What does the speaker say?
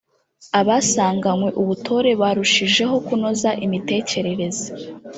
abasanganywe ubutore barushijeho kunoza imitekerereze